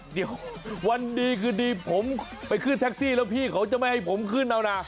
เดี๋ยววันดีคืนดีผมไปขึ้นแท็กซี่แล้วพี่เขาจะไม่ให้ผมขึ้นเอานะ